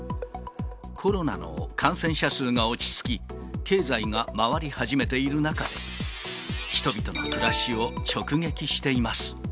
コロナの感染者数が落ち着き、経済が回り始めている中、人々の暮らしを直撃しています。